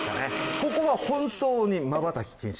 ここは本当にまばたき禁止。